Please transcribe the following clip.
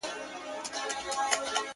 صلاحیت او مسئولیت باید یو شان و کارول سي,